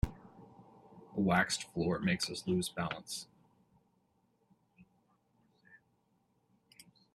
A waxed floor makes us lose balance.